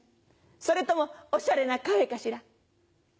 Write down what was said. それともオシャレなカフェかしら。